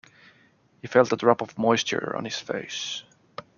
He felt a drop of moisture on his face.